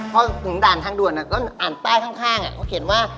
เพราะถึงด่านทางดุ่นก็อ่านแป้งข้างคือก็เขียนว่า